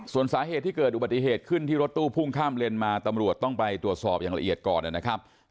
ส่วนสาเหตุที่เกิดอุบัติเหตุขึ้นที่รถตู้พุ่งข้ามเลนมาตำรวจต้องไปตรวจสอบอย่างละเอียดก่อนนะครับ